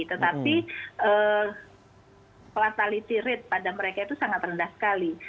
tetapi fatality rate pada mereka itu sangat rendah sekali